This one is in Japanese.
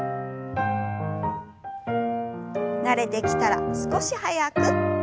慣れてきたら少し早く。